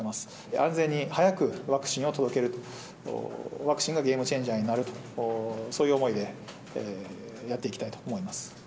安全に早くワクチンを届ける、ワクチンがゲームチェンジャーになるという、そういう思いでやっていきたいと思います。